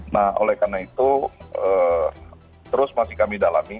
nah oleh karena itu terus masih kami dalami